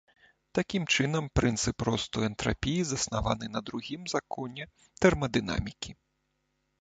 Такім чынам, прынцып росту энтрапіі заснаваны на другім законе тэрмадынамікі.